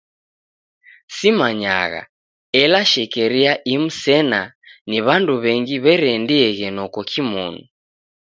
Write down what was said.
Simanyagha, ela shekeria imu sena ni w'andu w'engi w'ereendieghe noko kimonu.